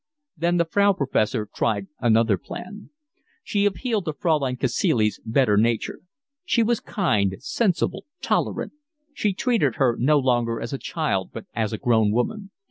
Then the Frau Professor tried another plan. She appealed to Fraulein Cacilie's better nature: she was kind, sensible, tolerant; she treated her no longer as a child, but as a grown woman.